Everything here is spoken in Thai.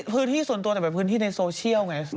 พื้นที่ส่วนตัวแต่เป็นพื้นที่ในโซเชียลไง